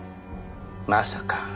まさか。